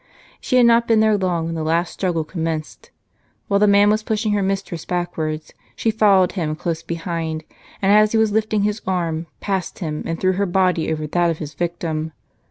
She had not been there long when the last struggle com menced. While the man • was pushing her mistress back wards, she followed him close behind ; and as he was lifting his arm, passed him, and threw her body over that of his victim.